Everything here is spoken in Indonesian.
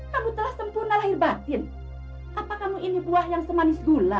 pak masud sudah lapor ke polisi